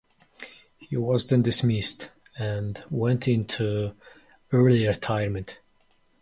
He was then dismissed and went into early retirement.